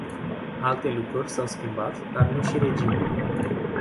Alte lucruri s-au schimbat, dar nu și regimul.